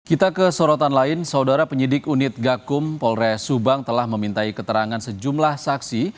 kita ke sorotan lain saudara penyidik unit gakum polres subang telah memintai keterangan sejumlah saksi